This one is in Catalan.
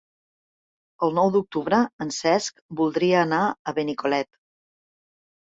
El nou d'octubre en Cesc voldria anar a Benicolet.